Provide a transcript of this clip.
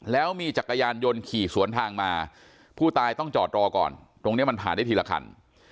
แล้วมีจักรยานยนต์ขี่สวนทางมาผู้ตายต้องจอดรอก่อนตรงนี้มันผ่านได้ทีละคัน